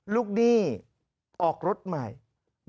หนี้ออกรถใหม่